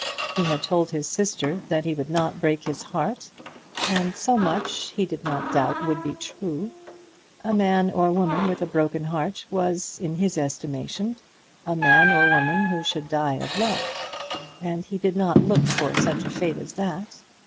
He had told his sister that he would not break his heart; and so much, he did not doubt, would be true. A man or woman with a broken heart was in his estimation a man or woman who should die of love; and he did not look for such a fate as that.